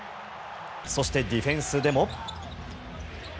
そして、ディフェンスでも。